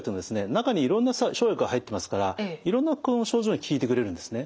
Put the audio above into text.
中にいろんな生薬が入ってますからいろんな心の症状に効いてくれるんですね。